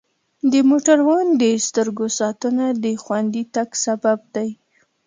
د موټروان د سترګو ساتنه د خوندي تګ سبب دی.